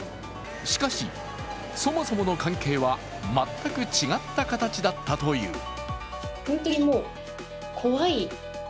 しかし、そもそもの関係は全く違った形だったという。